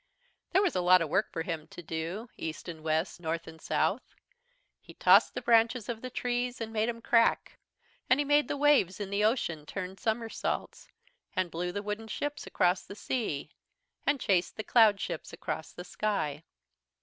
"There was a lot of work for him to do, east and west, south and north. He tossed the branches of the trees and made 'em crack, and he made the waves in the ocean turn somersaults, and blew the wooden ships across the sea, and chased the cloud ships across the sky.